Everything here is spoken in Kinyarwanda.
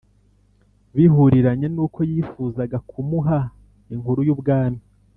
Bihuriranye n uko yifuzaga kumuha inkuru y ubwami